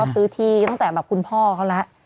ซื้อที่ตั้งแต่แบบคุณพ่อเขาแล้ว